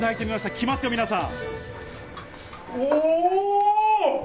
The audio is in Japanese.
きますよ、皆さん。